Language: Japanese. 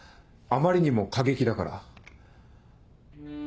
あまりにも過激だから。